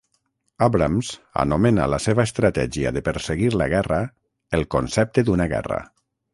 Abrams anomena la seva estratègia de perseguir la guerra "el concepte d'una guerra".